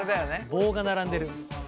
棒が並んでる。